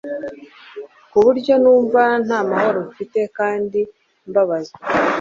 kuburyo numva ntamahoro mfite kandi mbabazwa